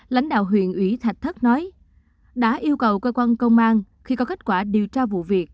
lãnh đạo huyện ủy thạch thất nói đã yêu cầu cơ quan công an khi có kết quả điều tra vụ việc